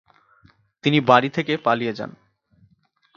তিনি বাড়ি থেকে পালিয়ে যান।